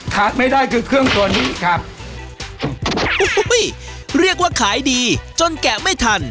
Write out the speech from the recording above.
ไม่ได้คือเครื่องตัวนี้ครับเรียกว่าขายดีจนแกะไม่ทัน